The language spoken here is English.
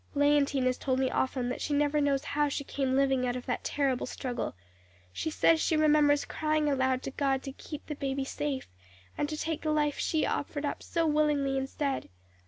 "Léontine has told me often that she never knows how she came living out of that terrible struggle; she says she remembers crying aloud to God to keep the baby safe, and to take the life she offered up so willingly instead.